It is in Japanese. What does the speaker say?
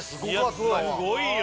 すごいよ！